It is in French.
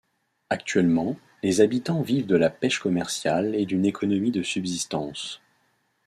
Actuellement, les habitants vivent de la pêche commerciale et d'une économie de subsistance.